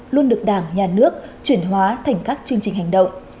luôn được đảng nhà nước chuyển hóa thành các chương trình hành động